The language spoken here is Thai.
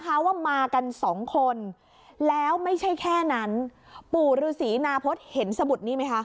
คะว่ามากัน๒คนแล้วไม่ใช่แค่นั้นปู่ฤษนาพษเห็นสมุดนี่